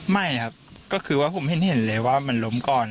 ไม่ครับก็คือว่าผมเห็นเลยว่ามันล้มก่อน